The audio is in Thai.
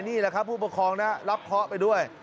นี่แหละครับผู้ปกครองนะรับเคราะห์ไปด้วย